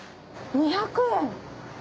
２００円！